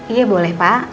iya boleh pak